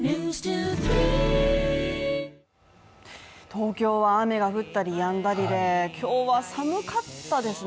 東京は雨が降ったりやんだりで今日は寒かったですね。